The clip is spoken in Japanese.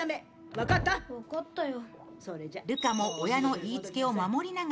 分かったよ。